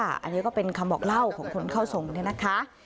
อันนี้ก็เป็นคำบอกเล่าของคนเข้าทรงเนี่ยนะคะ